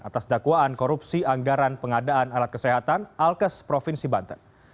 atas dakwaan korupsi anggaran pengadaan alat kesehatan alkes provinsi banten